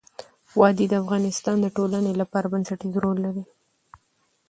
وادي د افغانستان د ټولنې لپاره بنسټيز رول لري.